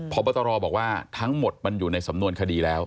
พบตรบอกว่าทั้งหมดมันอยู่ในสำนวนคดีแล้ว